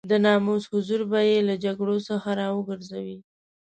د ناموس حضور به يې له جګړو څخه را وګرځوي.